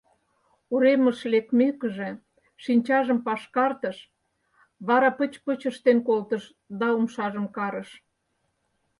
Уремыш лекмекыже, шинчажым пашкартыш, вара пыч-пыч ыштен колтыш да умшажым карыш.